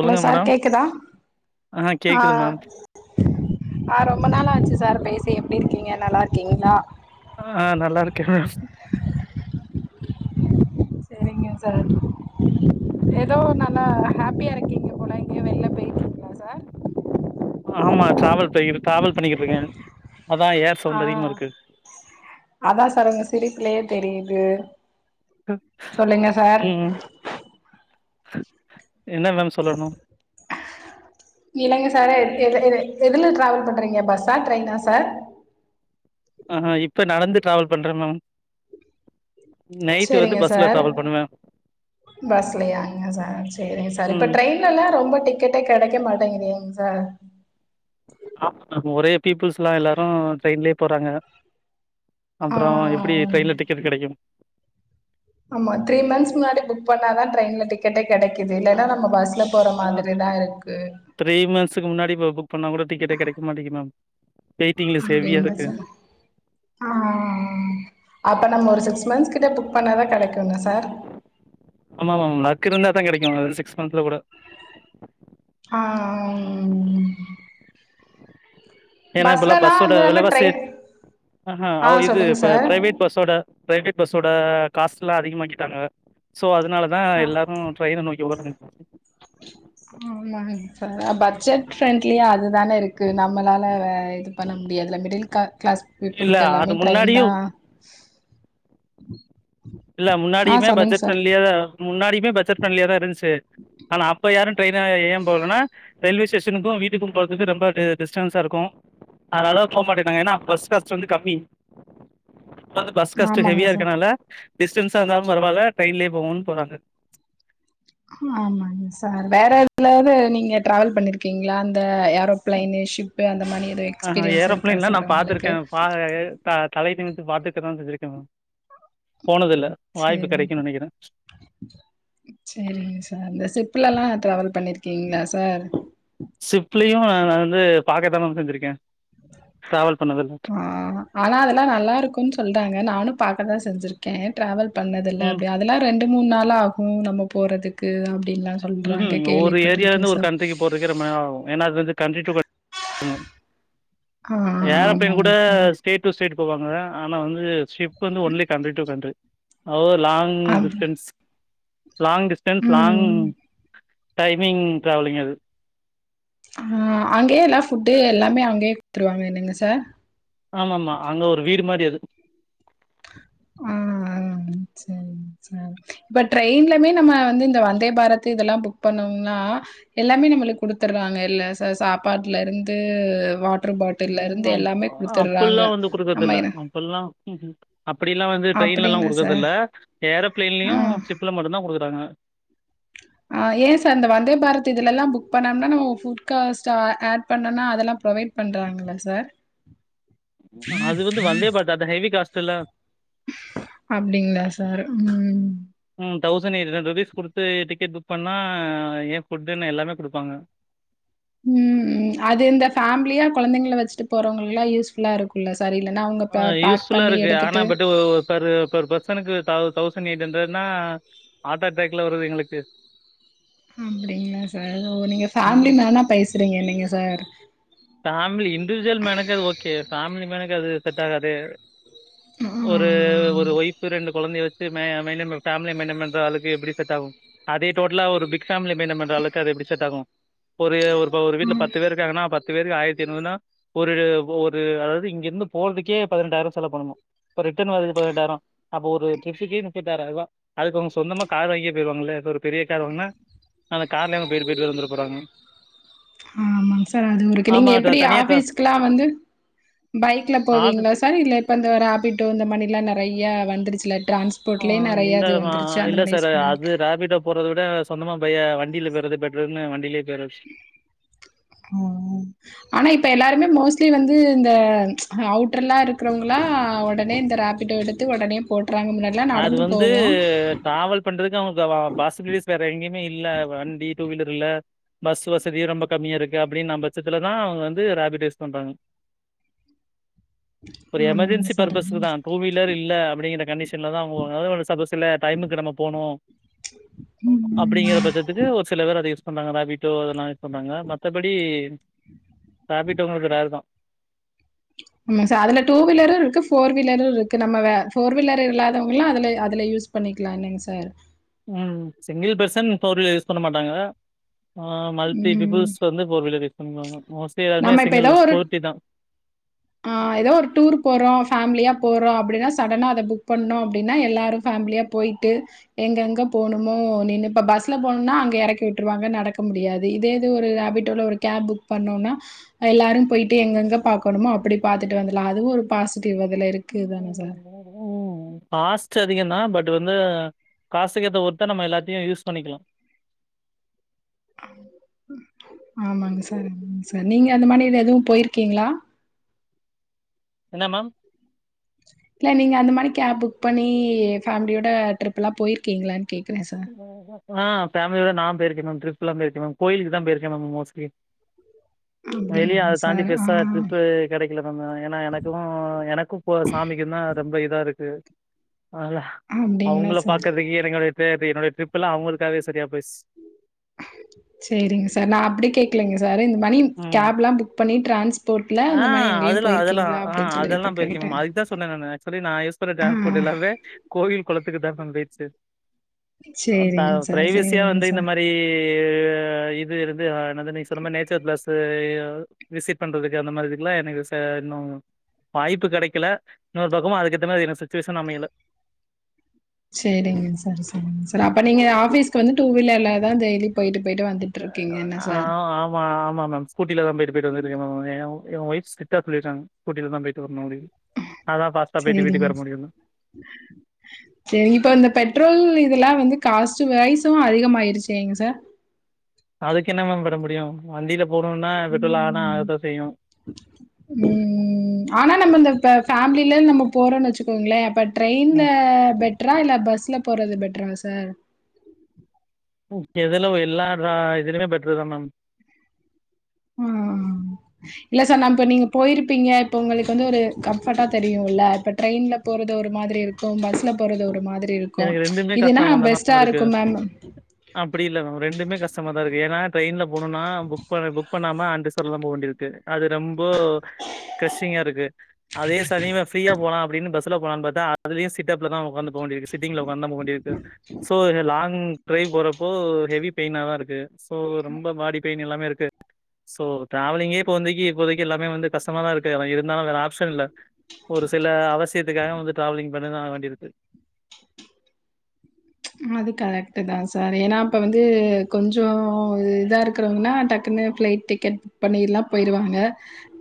Hello sir madam கேக்குதா ஆ கேக்குது மேம் ஆ ரொம்ப நாள் ஆச்சு சார் பே சரி எப்டி இருக்கீங்க நல்லாருக்கீங்களா ஆ நல்லா இருக்கேன் மம் செரிங்க சார் ஏதோ நல்லா ஹாப்பியா இருக்கீங்க போல எங்கயோ வெளிய போயிட்டு இருக்கேங்களா சார் ஆமா ட்ராவல் பேய் ட்ராவல் பண்ணிகிட்டு இருக்கே அதா ஏர் ஆ சவுண்ட் அதிகமா இருக்கு அதா சார் உங்க சிரிப்லயே தெரியுது க் ம் ம் என்ன மேம் சொல்லணு [unintelligible] இல்லங்க சாரெ எதுல டிராவல் பண்றீங்க பஸ்ஸா ட்ரெயனா சார் [unintelligible] ஆ இப்ப நடந்து டிராவல் பண்றே மேம் நைட்டு வந்து பஸ்ல ட்ராவல் பண்ணுவே பஸ்லையாங்க சார் சரி சார் இப்ப ம் ட்ரெயின்ல எல்லா ரொம்ப டிக்கெட்டே கிடைக்க மாட்டேங்கதே சார் ஆமா மம் ஒரே பீப்புள்ஸ்லா எல்லாரு ட்ரெயின்லயே போறாங்க அப்புறம் எப்படி ஆ ட்ரெயின்ல டிக்கெட் கிடைக்கு ஆமா த்ரீ மந்த்ஸ் முன்னாடி புக் பண்ண தா ட்ரெயின்ல டிக்கெட்டே கிடைக்குது இல்லனா நம்ம பஸ் அ த்ரீ மந்த்த்ஸ்க்கு முன்னாடி இப்ப புக் பண்ணா கூட டிக்கெட்டே கிடைக்க மாட்டிக்கி மம் அப்படிந்தா சார் ஆ அ ஆ அப்ப நம்ம ஒரு சிக்ஸ் மந்த் கிட்ட புக் பண்ணா தா ஆமாம் மம் லக் இருந்தாதா கெடைக்கு சிக்ஸ் மந்த்ல கூட ஆ ஆ உ உம் ஏன்னா இப்பல்லா பஸ் ஓட வந்து விலவாசி ட்ரெயின் ஆ அ அவ இது சொல்லுங்க சார் பிரைவேட் ப பஸ் ஓட பிரைவேட பஸ் ஓட காஸ்ல்லா அதிகமாக்கிட்டாங்க சோ அதனால தா ஆ எல்லாரு ட்ரெயின நோக்கி ஓடறாங்க [unintelligible] ஆமாங்க சர் பட்ஜெட் ஃபிரண்ட்லியா அதுதான இருக்கு நம்மளால அத இது பண்ண முடியறதுல்ல மிடில் கிளாக் கிளாஸ் இல்ல பீப்புளுக்கு அது எல்லாமே ட்ரெயின் தா முன்னாடியும் இல்ல முன்னாடியுமே பட்ஜெட் ஃபிரண்ட்லியா தா முன்னாடியுமே பட்ஜெட் ஃபிரண்ட்லியா தா இருந்துச்சு அனா அப்ப யாரு ட்ரெயின்ன ஏ போலன்னா ரயில்வே ஸ்டேஷனுக்கு வீட்டுக்கும் போறதுக்கு ரொம்ப டி டிஸ்டன்ஸாருக்கு அதனால போ மாட்டேன்ட்டாங்க என்னா பஸ் காஸ்ட் வந்து கம்மி ப்ப வந்து பஸ் காஸ்ட்டு ஆமாங்க ஹெவியா சார் இருக்கனால டிஸ்டன்ஸா இருந்தாலும் பரவால்ல ட்ரெயின்லேயே போவோன் போறாங்க வேற எதுலயாவது நீங்க டிராவல் பண்ணிருக்கீங்களா அந்த த ஏரோ ப்ளைன்னு ஷிப்பு அந்த மாதிரி எதோ ஆஹா எக்ஸ்பீரியன்ஸ் இருக்கா ஏரோபிளேன்லாம் சார் நான் உங்களுக்கு து பாத்துட்டு தா செஞ்சிருக்கே‌ மேம் சேரிங்க சேரிங்க சார் இந்த ஷிப்புல்லல்லா டிராவல் பண்ணிருக்கீங்களா சார் ஷிப்புலியு நா வந்து பாக்கதா மேம் செஞ்சிருக்கே டிராவல் பண்ணதில்ல ஆ ஆனா அதெல்லா நல்லா இருக்கும்ன்னு சொல்றாங்க நானு பாக்கதா செஞ்சிர் கே டிராவல் பண்ணதுல்ல ம் அப்டிய அதெல்லா ரெண்டு மூணு நாளாகு நமக்கு போறதுக்கு அப் ம்ஹும் ஒரு ஏரியாவுலருந்து ஒரு கண்ட்ரிக்கு போறதுக்கே ரொம்ப நேராகு ஏன்னா அது வந்து கண்ட்ரி ட்டூ [unintelligible] ஆ ஏரோப்ளேயின் கூட ஆமாங்க சார் ஸ்டேட்டு டேட்டு போவாங்க அனா வந்து ஷிப்பு வந்து ஒன்லி கண்ட்ரி டு கண்ட்ரி அவ்லோவு லாங் ஆமா டிஸ்டன்ஸ் லாங் டிஸ்டன்ஸ் லாங் ம் டைமிங் ட்ராவலிங் அது ஆ அங்கேயே எல்லா ஃபுட்டு எல்லாமே அங்கேயே குடுத்துருவாங்க இல்லைங்க சார் ஆமா ஆமா அங்க ஒரு வீடு மாரி இருக் ம் ம் செரிங் சார் இப்ப டெயின்லேமே நம்ம வந்து இந்த வந்தே பாரத் இதெல்லா புக் பண்ணோம்னா எல்லாமே ஏ நம்முளுக்கு குடுத்தர்றாங்கல்ல சார் சாப்பாட்லருந்து வாட் ம் அப் அப்பில்லா வந்து நம்ம குடுக்கறதில்ல என்ன அப்பில்லா ம் ம் அப்பிடிலா வந்து ட்ரெயின்லெலா அப்டிங்களா சார் குடுக்கறதில்ல ஏரோபிளேன்லேயு சிப்ல மட்டு தா குடுக்குறாங்க [unintelligible] அ ஏன் சார் இந்த வந்தே பாரத் இதுலெல்லா புக் பண்ணம்னா நம் ஃபுட் காஸ்டா ஆ ஆட் பண்ணோனா அதெல்லா ப்ரொவைட் எ பண்றாங்களா சார் அது வந்து வந்தே பாரத் அது ஹெவி காஸ்ட்டல்ல அப்பிடிங்களா சார் ம் ம் தௌசண்ட் எயிட் ஹண்ட்ரட் ருபீஸ் குடுத்து டிக்கெட் புக் பண்ணா ஏ ஃபுட்ன்னு எல்லாமே குடுப்பாங்க ம் ம் அது இந்த ஃபாமிலியா கொழந்தைங்கள வெச்சுட்டு போறவங்கள்லா யூஸ்ஃபுல்லா இருக்குல்ல சார் இல்லன்னா அவங்க ஆ பே பேக் யூஸ்ஃபுல்லா பண்ணி இருக்கு ஆனா எடுத்துட்டு பட்டு ஒரு ஒரு பெர் பெர் பர்சனுக்கு தௌ தௌஸ் சட்டம் எயிட் ஹண்டர்னா ஆட்டோ ட்ராக்லே வருது எங்களுக்கு அப்பிடிங்களா சார் நீங்க ஃபாமிலி ம். மேனா பேசுறீங்க நீங்க சார் ஃபேமிலி இண்டிவிஜுவல் மேனுக்கு அது ஓகே ஃபாமிலி மேனுக்கு அது செட் ஆகாதே ஒரு ம் ஒரு ஒயிஃப் ரெண்டு கொழந்தைய வச் சுமே மெய்ன்டேன் பண் ஃபேமிலி மெய்ன்டேன் பண்றளவுக்கு எப்பிடி செட்டாகு அதே டோட்டலா ஒரு பிக் ஃபேமிலி மெய்ன்டேன் பண்ற அளவுக்கு அது எப்பிடி செட்டாகு ஒரே ஒரு ஒரு வீட்டல பத்து பேரு இருக்காங்கன்னா பத் த்து பேருக்கு ஆயிரத்தி இருநூறுன்னா ஒரு ஒரு அதாவது இங்கிருந்து போறதுக்கே பதினெட்டாயிரோ செலவு பண்ணனு அத் ரிட்டன் வரதுக்கு பதினெட்டாயிர அப்போ ஒரு ட்ரிப்புக்கே முப்பத்தாறாயர் ரூவா அதுக்கு அவுங்க சொந்தமா கார் வாங்கியே போயிருவாங்கல்லே இப்ப ஒரு பெரிய கார் வாங்குனா அந்த கார்லயே அவங்க போயிட்டு போயிட்டு வந்துரப் போறாங்க ஆமாங் சார் அதுவு இருக்கு நீங்க ஆமா த எப்பிடி தனியா ட்ரா ஆஃபீஸ்க்கில்லா வந்து பைக்ல ஆஃபி போவீங்களா சார் இல்ல இப்ப இந்த ராப்பிட்டோ இந்த மாணில்லா நெறைய்யா வந்துருச்சுல்ல ஆ இல்லமா இல்ல மாரி சார் யூஸ் பண்ணுவீங்க அது ராபிடோ போறத விட சொந்தமா பையா வண்டியில பெய்றது பெட்டருன்னு வண்டியிலேயே ஆ ஆனா இப்ப எல்லாருமே மோஸ் ட்லி வந்து இந்த அவுட்ர்லா இருக்கிறவங்களா ஒடனே இந்த ராப்பிடோ எடுத்து ஒடனே போட் அது வந்து டிராவல் பண்றதுக்கு அவங்களுக்கு பாசிபிலிட்டிஸ் வேற எங்கேயு மே இல்ல வண்டி டூ வீலர் இல்ல பஸ் வசதியு ரொம்ப கம்மியா இருக்கு அப்பிடின்னா பட்சத்துலதான் அவங்க வந்து ரேபிடோ யூஸ் பண்றாங்க ஒரு ஆமாங்க எமர்ஜென்சி சார் பர்பஸ்க்கு தான் டூ வீலர் இல்ல அப்பிடிங்கற கண்டிஷ ன்லதா அவுங்க [unintelligible] பஸ்ல டைமுக்கு நம்ம போணு ம் அப்பிடிங்கிற ம் பட்சத்துக்கு ஒரு சில பேர் அத யூஸ் பண்ணாங்கதா வீட்டோ அதுல்லா யூஸ் பண்ணாங்க மத்தபடி ராப்பிடோ உங்களுக் ரேர் தா ஆமா சார் அதுல டூ வீலரு இருக்கு ஃபோர் வீலரு இருக்கு நம்ம ஃபோர் வீலர் இல்லாதவங்களு அதுல அதுல அது யூ ஸ் பண்ணிக்கலாம் இல்லீங்க சார் ம் single person four wheel use பண்ண மாட்டாங்க ஆ மல்டி ம். பீப்புள்ஸ் வந்து ஃபோர் வீலர் யூஸ் பண்ணுவாங்க மோஸ்ட்லி எல்லாருமே நம்ம இப்ப சிங்கிள் ஏதோ ஒரு ஸ்கூட்டி தா ஆ ஏதோ ஒரு டூர் போறோம் ஃபாமிலியா போறோம் அப் அப்டின்னா சட்டனா அத புக் பண்ண அப்பிடின்னா எல்லாரும் ஃபேமிலியா போயிட்டு எங்கங்க போணுமோ நின்னு இப்போ பஸ்ல போனோன்னா அங்கே எறக்கி விட்டுருவாங்க நடக்க முடியாது இதே இது ஒரு ராபிட்டோவ்ல ஒரு கேப் புக் பண்ணோன்னா எல்லாரும் போயிட்டு எங்கெங்க பாக்கணுமோ அப் பிடி பாத்துட்டு வந்துர்லா அதுவும் ஒரு பாசிட்டிவ் அதுல இருக்குதான சார் ம் காஸ்ட் அதிகம் தான் பட் வந்து காசுக்கேத்த ஒர்த்த நம்ம எல்லாத்தையும் யூஸ் பண்ணிக்கலா அம் ம் ஆமாங்க சார் மாங்க சார் நீங்க அந்த மாதி எதுவும் போயிருக்கீங்களா என்ன மேம் இல்ல நீங்க அந்த மாதிரி காப் புக் பண்ணி ஃபேமிலியோட ட்ரிப்ல்லா போயிருக்கீங்களா ஆ பமிலியோட நா பெயிரு கே மேம் ட்ரிப்லா பெயிருக்கே மேம் கோயிலுக்குதா பெயிருக்கே மேம் மோஸ்ட்லி ம் வெளியே அதத் தாண்டி பெருசா ட்ரிப்பு கெடைக்கல தா ஏன்னா எனக்கும் எனக்கு போ சாமிக்குந்தான் ரொம்ப இதா இருக்கு அதா அப்டிங்களா அவங்களப் சார் பாக்குறதுக்கே என்க்கடைய பேபி என்னுடைய ட்ரிப் எல்லா அவங்களுக்காகவே சரியா பெயிச்சு செரிங்க சார் நா அப்பிடி கேக்கலங்க சார் இந்த மாணி ம் கேப்புல்லா புக் பண்ணி டிரான்ஸ் ஆ அதெல்லா அதெல்லா ஆ சொல்லி அதெல்லா இப்ப பெயிருக்க கேட்டே. மேம் அதுக்கு தா சொன்னே நானு ஆக்சுவலி நான் யூஸ் பண்ணற ஆ டிரான்ஸ்போர்ட் எல்லா வே கோவில் குளத்துக்கு தான் பெய்ச்சு ஆ ப சேரிங்க சார் பிரைவேசியா சேரிங்க வந்து இந்த சார் மாரி அ இது இருந்து இருந்து அ என்னது நீங் சொன்ன நேச்சர் பிளெஸ் அ விசிட் பண்றது அந்த மாதிரி இதுக்குலாம் எனக்கு ச இன்னும் வாய்ப்பு கெடைக்கல இன்னொரு பக்கமும் அதுக்கத்த மாதி எனக் சுச்சுவேஷன் அமையல [inaudible] செரிங்க சார் சொல்லுங்க சார் அப்ப நீங்க ஆபிஸ்கு வந்து டூ வீலர்லதான் டெய்லி போயிட்டு போயிட்டு வந்துட்டு இருக்கீங்க என்ன ஆ சார் ஆமா ஆமா மேம் ஸ்கூட்டில தான் பெ யிட்டு பெயிட்டு வந்திருக்க மேம் எ என் வைஃப் ஸ்ட்ரிக்ட்டா சொல்டீங்க ஸ்கூட்டில தா போயிட்டு முடியும் அதான் பாஸ்டா பெய்ட்டு வீட்டுக்கு வர முடியும் செரி இப்ப இந்த பெட்ரோல் இதெல்லா வந்து காஸ்ட்டு வரைசும் அதிகமாயிருச்சுங்க சார் அதுக்கு என்ன மேம் பட முடியும் வண்டில போணுன்னா பெட்ரோல் ஆனா ம் ஆகத்தா செய்யு ம் ஆனா நம்ம இந்த இப்ப ஃபேமில நம்ம போறோன்னு வச்சுக்கோங்களே அப்போ ட்ரெயின்ல ம் பெட் டரா இல்ல பஸ்ல போறது பெட்ரா சார் ம் எதுல எல்லா தா இதிலிமே பெட்ரு தா மேம் ம் இல்ல சார் நாம் இப்போ நீங்க போய்ருப்பீங்க இப்போ உங்களுக்கு வந்து ஒரு கம்ஃபட்டா தெரியு இல்ல இப்போ ட்ரெயின்ல போறது ஒரு மா திரி இருக்கு பஸ்ல போறது ஒரு மாதிரி இருக்கு எனக்கு ப்ச் ரெண்டுமே இதுன்னா பெஸ்ட்டாருக்கு மேம் அப்டி இல்ல மேம் ரெண்டுமே கஷ்டமா தா இருக்கு ஏனா ட்ரெயின்ல போனுனா புக் பண்ணி புக் பண்ணாம அன்ட்ரிசர்வ்லா தா போக வேண்டியதிருக்கு அது ரெம்போ கசிங்காருக்கு அதே சனிம ஃப்ரீயா போலா அப்டின்னு பஸ் ல போலான் பாத்தா அதுலயு சிட்டப்ல தா ஒக்காந்து போ வேண்டிருக்கு சிட்டிங்ல ஒக்காந்தா போ வேண்டிருக்கு சோ லாங் ட்ரைவ் போறப்போ ஹெவி பெயினாதா இருக்கு சோ ரொம்ப பாடி பெயின் எல்லாமே இருக்கு சோ டிராவலிங்கே இப்போ வந்தைக்கு இப்போதைக்கு எல்லாமே வந்து கஷ்டமாதா இருக்கு அதா இருந்தாலு வேற ஆப்ஷன் இல்ல ஒரு சில அவசியத்துக்காக வந்து டிராவலிங் பண்ணா தா ஆக வேண்டியதிர்க்கு. ம்ச் அது கரெக்ட்டு தாங் சார் ஏனா அப்ப வந்து கொஞ்சோ இதா இருக்கறவங்கனா டக்குன் ன்னு ஃபிளைட் டிக்கெட் புக் பண்ணிர்லா போயிருவாங்க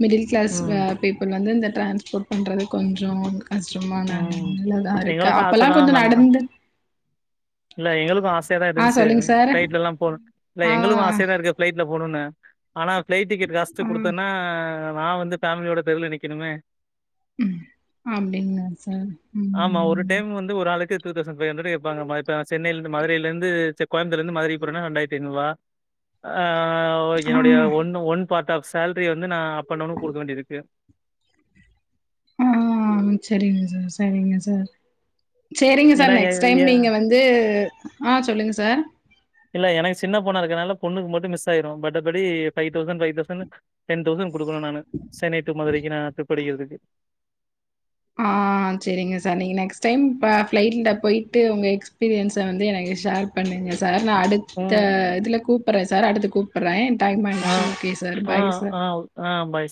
மிடில் கிளாஸ் அ ம், பீப்புள் வந்து இந்த ட்ரான்ஸ்போட் பண்றது கொஞ்சோ கஷ்டமான ம். நல்லதாருக்கு எங்களுக்கும் ஆசை அப்பல்லா கொஞ்ச தான் மேம். நடந்து இல்ல எங்களுக்கு ஆசயா தா ஆ இருந்துச்சு சொல்லுங்க சார். ஃப்ளைட்லா எல்லா போனு இல்ல ஆ, எங்களுக்கு ஆசயா தா இருக்கு ஃப்ளைட்ல போ போணுனு ஆனா ஃபிளைட் டிக்கெட் ஆ, காஸ்ட் குடுத்தனா நா வந்து ஃபேமிலியோட தெருல நிக்கணுமே ம் அப்டிங்ளா ஆமா ஒரு டைம் வந்து ஒரு ஆளுக்கு டூ தெளசண் ஃபைவ் ஹண்ட்ரடு கேப்பாங்கமா இப்ப சென்னைலந்து மதுரயிலந்து சேர் கோயம்த்தூர்லந்து மதுரை போறனா ரெண்டாயிர்த்தி ஐநூர்வா ஆ ஆ ஒகே என்னோடைய ஒன்னு ஒன் பார்ட் ஆப் சேலரி வந்து நா அப்பன் டவுனு குடுக்க வேண்டியதிக்கு ஆ செரிங் சார் செரிங்க சார் செரிங்க சார் ஏன்னா எ நெக்ஸ் டைம் எ நீங்க வந்து ஆ சொல்லுங்க சார் இல்ல எனக்கு சின்ன போனா இருக்கனால பொண்ணுக்கு மட்டு மிஸ் ஆயிரு பட்டபடி ஃபைவ் தௌசண் ஃபைவ் தௌசண்னு டென் தௌசண் குடுக்கணு நானு சென்னை டூ மாதுரைக்கு நா டிரிப் அடிக்கிறதுக்கு ஆ செரிங்க சார் நீங்க நெக்ஸ் டைம் ப ஃபிளைட்ல போய்ட்டு உங்க எக்ஸ்பீரியன்ஸ வந்து எனக்கு ஷேர் பண்ணுங்க சார் நா அடுத்த ம் இதுல கூப்பறே சார் அடுத்து கூப்பறே டைம் ஆ ஆய்டுச்சி ஓகே சார் ஆ பாய் சார் ஆ ஆ பாய்.